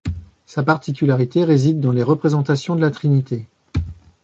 Sa particularité réside dans les représentations de la Trinité.